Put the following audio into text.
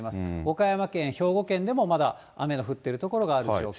岡山県、兵庫県でもまだ雨が降っている所がある状況。